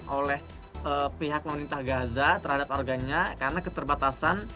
oleh pihak pemerintah gaza terhadap organnya karena keterbatasan